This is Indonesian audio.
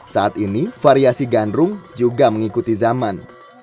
saat ini variasi gandrung juga mengikuti zaman